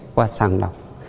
qua sang lọc